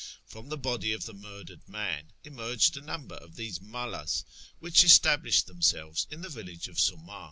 From the body of the murdered man emerged a number of these malas, which established themselves in the villagre of Si'una.